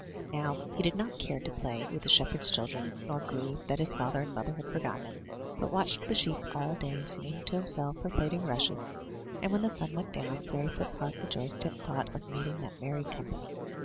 Now he did not care to play with 17 MY BOOK HOUSE the shepherds' children, nor grieve that his father and mother had forgotten him, but watched the sheep all day singing to himself or plaiting rushes; and when the sun went down. Fairy foot's heart rejoiced at thought of meeting that merry company.